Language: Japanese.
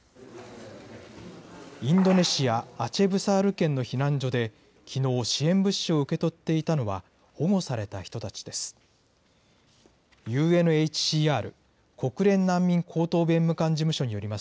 インドネシア・アチェブサール県の避難所で、きのう、支援物資を受け取っていたのは、保護された人たちです。